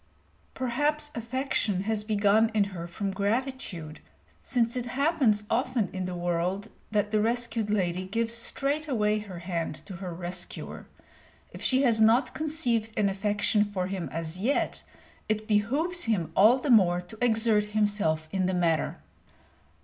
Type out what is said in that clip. Perhaps affection has begun in her from gratitude, since it happens often in the world that the rescued lady gives straightway her hand to her rescuer. If she has not conceived an affection for him as yet, it behooves him all the more to exert himself in the matter.